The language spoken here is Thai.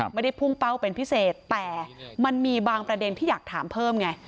ไม่ได้พุ่งเป้าเป็นพิเศษแต่มันมีบางประเด็นที่อยากถามเพิ่มไง